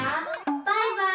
バイバイ！